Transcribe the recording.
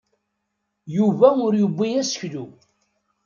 Yuba ur yebbi aseklu.